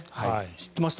知ってました？